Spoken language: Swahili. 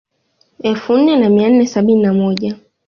Elfu nne na mia nne sabini na moja